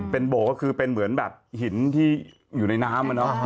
เป็นโบกก็คือเป็นเหมือนแบบหินที่อยู่ในน้ำ